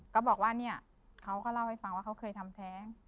ก็บอกว่าเนี่ยเขาก็เล่าให้ฟังว่าเขาเคยทำแท้ง